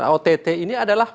ott ini adalah